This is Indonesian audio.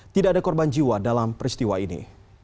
tidak ada korban jiwa dalam peristiwa ini